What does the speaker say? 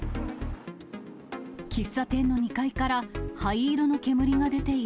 喫茶店の２階から灰色の煙が出ている。